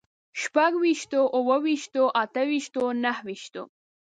شپږ ويشتو، اووه ويشتو، اته ويشتو، نهه ويشتو